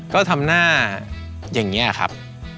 ก็ทำหน้าอย่างนี้ครับ